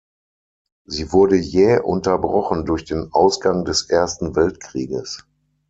Sie wurde jäh unterbrochen durch den Ausgang des Ersten Weltkrieges.